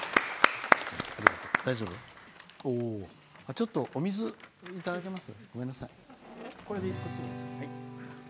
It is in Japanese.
ちょっとお水をいただけます？